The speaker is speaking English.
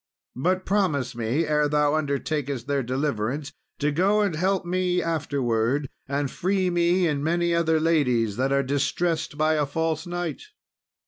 But promise me, ere thou undertakest their deliverance, to go and help me afterwards, and free me and many other ladies that are distressed by a false knight."